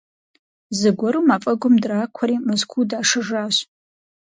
Зыгуэру мафӀэгум дракуэри, Мэзкуу дашэжащ.